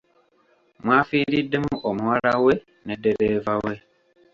Mwafiiriddemu muwala we ne ddereeva we.